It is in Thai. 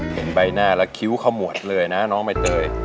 เห็นใบหน้าแล้วคิ้วเข้าหมวดเลยนะน้องไม่เตย